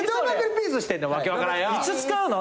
いつ使うの？